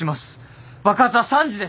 爆発は３時です！